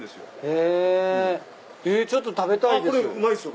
えっちょっと食べたいです。